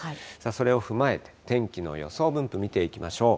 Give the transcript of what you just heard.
それを踏まえて、天気の予想分布見ていきましょう。